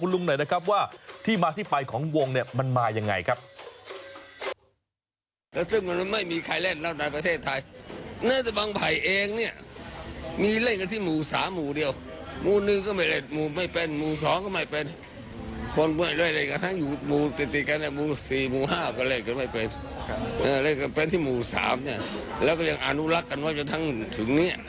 แล้วก็ยังอนุรักษ์กันไว้จนทั้งถึงเนี่ย